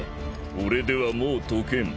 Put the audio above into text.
俺ではもう解けん。